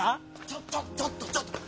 ちょっちょっとちょっと何何？